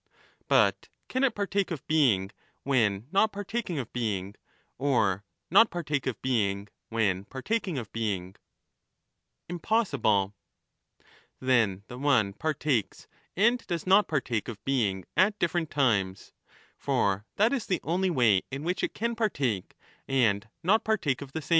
89 But can it partake of being when not partaking of being, or Par not partake of being when partaking of being ? menidts. Impossible. Paiuikhidk, * Aristo take place? Then the one partakes and does not partake of being at different times, for that is the only way in which it can The one partake and not partake of the same. ?